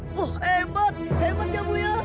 wah hebat hebat ya buya